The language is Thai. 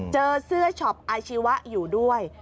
เจอเสื้อช็อปอาชีวะอยู่ด้วย